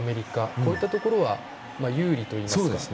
こういったところは有利といいますか。